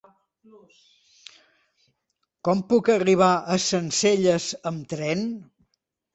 Com puc arribar a Sencelles amb tren?